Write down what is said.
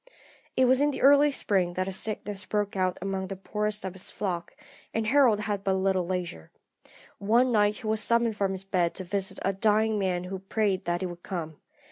"It was in the early spring that a sickness broke out among the poorest of his flock, and Harold had but little leisure. One night he was summoned from his bed to visit a dying man who prayed that he would come.